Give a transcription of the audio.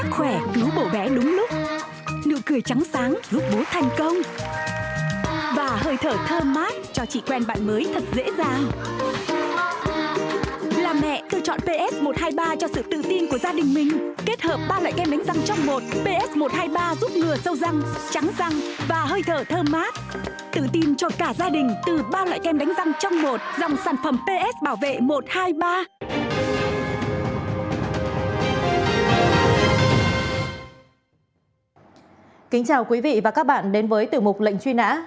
kính chào quý vị và các bạn đến với tiểu mục lệnh truy nã